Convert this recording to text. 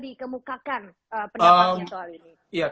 dikemukakan penyampaian soal ini